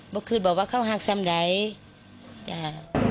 บอกคิดก็ไปว่าเขาห่างมั้งไหนจ้า